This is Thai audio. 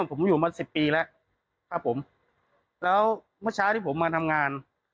ผมอยู่มาสิบปีแล้วครับผมแล้วเมื่อเช้าที่ผมมาทำงาน